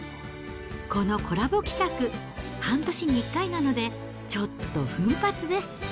このコラボ企画、半年に１回なので、ちょっと奮発です。